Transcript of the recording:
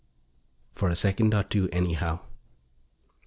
For a second or two, anyhow.